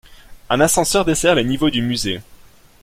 Un ascenseur dessert les niveaux du musée.